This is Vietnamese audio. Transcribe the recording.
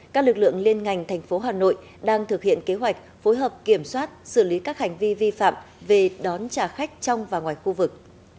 các lực lượng liên ngành thành phố hà nội đang thực hiện kế hoạch phối hợp kiểm soát xử lý các hành vi vi phạm về đón trả khách trong và ngoài khu vực